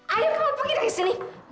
ayo kamu pergi ke sini